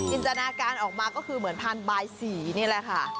จินตนาการออกมาก็คือเหมือนพันธบายสีนี่แหละค่ะ